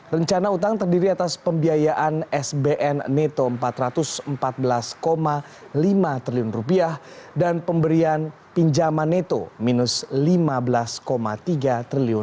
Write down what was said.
rencana utang terdiri atas pembiayaan sbn neto rp empat ratus empat belas lima triliun dan pemberian pinjaman neto minus rp lima belas tiga triliun